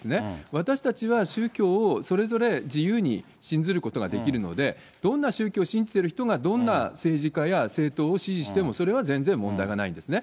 私たちは宗教をそれぞれ自由に信ずることができるので、どんな宗教を信じてる人が、どんな政治家や政党を支持しても、それは全然問題がないんですね。